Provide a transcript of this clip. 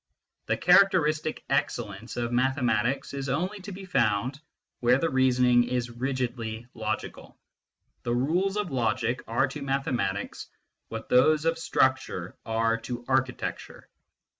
The characteristic excellence of mathematics is only to be found where the reasoning is rigidly logical : the rules of logic are to mathematics what those of structure are to architecture.